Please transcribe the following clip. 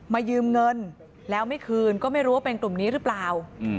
ยืมเงินแล้วไม่คืนก็ไม่รู้ว่าเป็นกลุ่มนี้หรือเปล่า